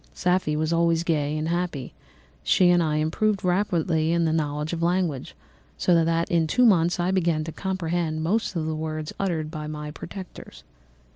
Safie was always gay and happy; she and I improved rapidly in the knowledge of language, so that in two months I began to comprehend most of the words uttered by my protectors.